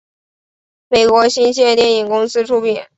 美国新线电影公司出品。